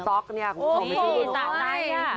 ๑๐๒๐ซ็อกเนี่ยคุณผู้ชมไปเชียร์